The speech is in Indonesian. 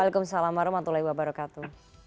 wa'alaikumsalam warahmatullahi wabarakatuh